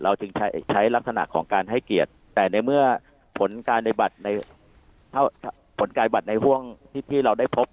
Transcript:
เราจึงใช้ลักษณะของการให้เกียรติแต่ในเมื่อผลการในบัตรในห่วงที่เราได้พบ